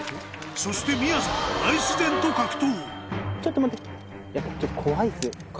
そしてみやぞん、大自然と格闘。